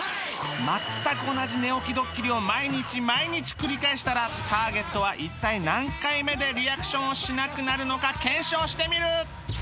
全く同じ寝起きドッキリを毎日毎日繰り返したらターゲットは一体何回目でリアクションをしなくなるのか検証してみる！